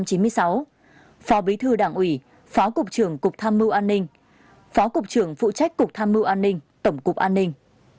từ tháng sáu năm một nghìn chín trăm chín mươi đến tháng chín năm một nghìn chín trăm chín mươi sáu phó bí thư đảng ủy phó cục trưởng cục tham mưu an ninh phó cục trưởng phụ trách cục tham mưu an ninh tổng cục an ninh